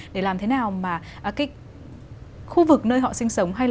để làm thế nào mà khu vực nơi họ sinh sống